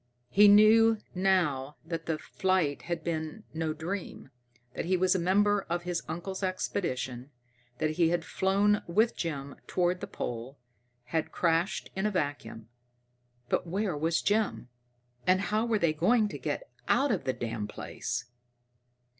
He knew now that the flight had been no dream, that he was a member of his uncle's expedition, that he had flown with Jim toward the pole, had crashed in a vacuum. But where was Jim? And how were they going to get out of the damn place?